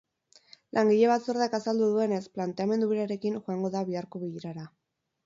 Langile batzordeak azaldu duenez, planteamendu berarekin joango da biharko bilerara.